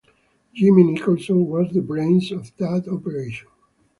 Jimmy Nicholson was the brains of that operation.